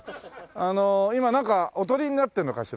あの今なんかお撮りになってるのかしら？